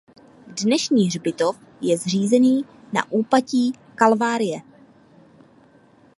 Dnešní hřbitov je zřízený na úpatí Kalvárie.